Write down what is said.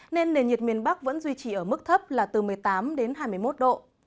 nên nền nhiệt miền bắc vẫn duy trì ở mức thấp là từ một mươi tám đến hai mươi một độ